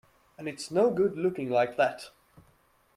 And it's no good looking like that.